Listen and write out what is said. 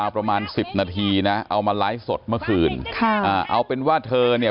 ประมาณสิบนาทีนะเอามาไลฟ์สดเมื่อคืนค่ะอ่าเอาเป็นว่าเธอเนี่ย